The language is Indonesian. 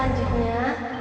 eh acara selanjutnya